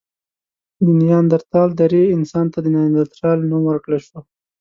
د نیاندرتال درې انسان ته د نایندرتال نوم ورکړل شو.